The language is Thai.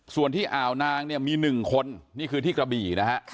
ส่วนที่ที่อ่าวนางมี๑คนนี่คือที่กระบี